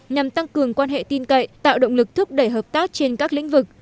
nhằm tăng cường quan hệ tin cậy tạo động lực thúc đẩy hợp tác trên các lĩnh vực